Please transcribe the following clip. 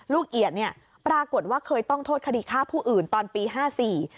ลูกเอียดปรากฏว่าเคยต้องโทษคดีฆ่าผู้อื่นตอนปี๕๔